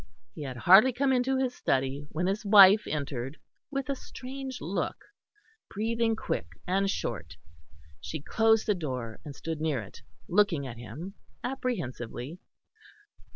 He had hardly come into his study when his wife entered with a strange look, breathing quick and short; she closed the door, and stood near it, looking at him apprehensively.